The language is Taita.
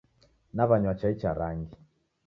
Naw'anywa chai cha rangi.